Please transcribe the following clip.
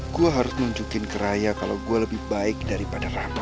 gue harus nunjukin ke raya kalau gue lebih baik daripada rabu